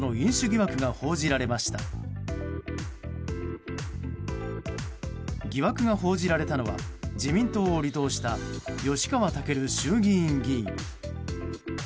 疑惑が報じられたのは自民党を離党した吉川赳衆議院議員。